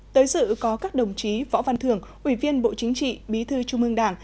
tới sự có các đồng chí võ văn thường ủy viên bộ chính trị bí thư trung mương đảng